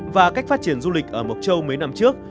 và cách phát triển du lịch ở mộc châu mấy năm trước